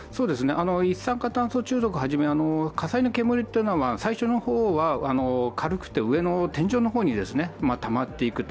一酸化炭素中毒をはじめ、火災の煙は最初は軽くて上の天井の方にたまっていくと。